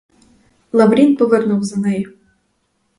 Лаврін повернув за нею.